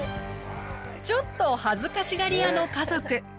ちょっと恥ずかしがり屋の家族。